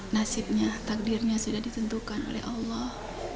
nasibnya takdirnya sudah ditentukan oleh allah